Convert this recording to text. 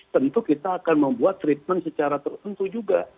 tentu kita akan membuat treatment secara tertentu juga